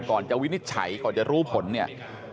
ก่อนจะวินิจฉัยก่อนจะรู้ผลเนี่ย